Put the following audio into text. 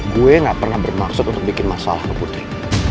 gue gak pernah bermaksud untuk bikin masalah ke putri